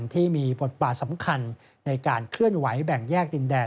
ที่มีบทบาทสำคัญในการเคลื่อนไหวแบ่งแยกดินแดน